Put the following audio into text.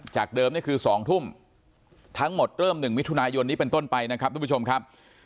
เดิมนี่คือ๒ทุ่มทั้งหมดเริ่ม๑มิถุนายนนี้เป็นต้นไปนะครับทุกผู้ชมครับ